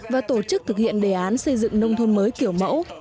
và tổ chức thực hiện đề án xây dựng nông thôn mới kiểu mẫu